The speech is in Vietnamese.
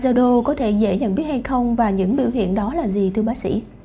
bệnh bajedo có thể dễ nhận biết hay không và những biểu hiện đó là gì thưa bác sĩ